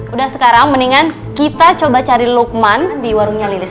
udah sekarang mendingan kita coba cari lukman di warungnya lilis